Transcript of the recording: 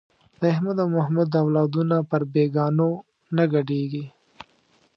د احمد او محمود اولادونه پر بېګانو نه ګډېږي.